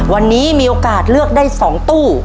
วันนี้มีโอกาสเลือกได้๒ตู้